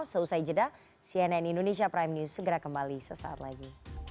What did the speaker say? seusai jeda cnn indonesia prime news segera kembali sesaat lagi